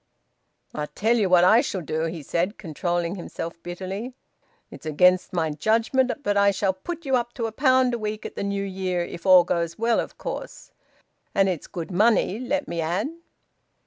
"I tell you what I shall do," he said, controlling himself bitterly. "It's against my judgement, but I shall put you up to a pound a week at the New Year, if all goes well, of course. And it's good money, let me add."